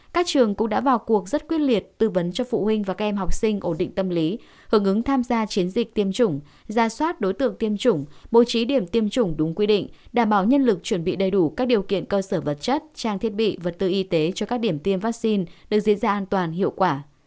các trường cũng đã vào cuộc rất quyết liệt tư vấn cho phụ huynh và các em học sinh ổn định tâm lý hứng ứng tham gia chiến dịch tiêm chủng ra soát đối tượng tiêm chủng bố trí điểm tiêm chủng đúng quy định đảm bảo nhân lực chuẩn bị đầy đủ các điều kiện cơ sở vật chất trang thiết bị vật tư y tế cho các điểm tiêm vaccine được diễn ra an toàn hiệu quả